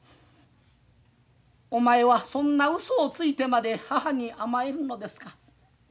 「お前はそんなうそをついてまで母に甘えるのですか。